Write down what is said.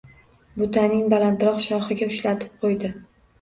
Butaning balandroq shoxiga ushlatib qo’ydi.